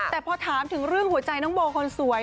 แต่พอถามถึงเรื่องหัวใจน้องโบคนสวย